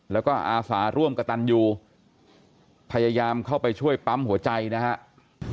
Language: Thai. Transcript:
แล้วก็อาสาร่วมกระตันยูพยายามเข้าไปช่วยปั๊มหัวใจนะครับ